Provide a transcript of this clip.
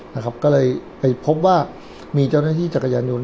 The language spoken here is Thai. นะครับก็เลยไปพบว่ามีเจ้าหน้าที่จักรยานยนต